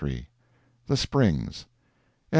THE SPRINGS. EDS.